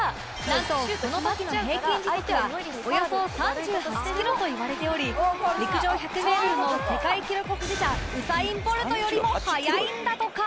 なんとこの時の平均時速はおよそ３８キロといわれており陸上１００メートルの世界記録保持者ウサイン・ボルトよりも速いんだとか